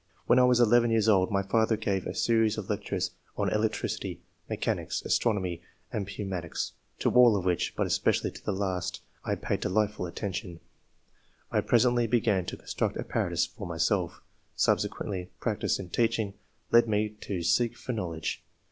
When I was 11 years old, my father gave a series of lectures on electricity, mechanics, astronomy, and pneuma • 1 184 ENGLISH MEN OF SCIENCE. [ciiap. tics, to all of which, but especially to the last, I paid delighted attention. I presently began to construct apparatus for myself. Subsequently practice in teaching led me to seek for know ledge.